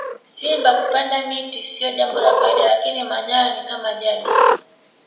simba kupanda miti siyo Jambo la kawaida lakini manyara ni kama jadi